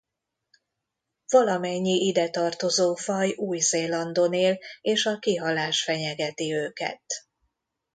Valamennyi ide tartozó faj Új-Zélandon él és a kihalás fenyegeti őket.